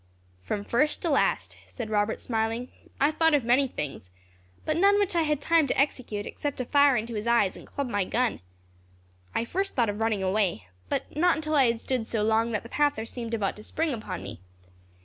"From first to last," said Robert, smiling, "I thought of many things, but of none which I had time to execute, except to fire into his eyes, and club my gun. I first thought of running away, but not until I had stood so long that the panther seemed about to spring upon me.